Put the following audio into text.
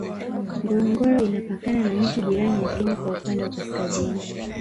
Ngorongoro inapakana na nchi jirani ya Kenya kwa upande wa Kaskazini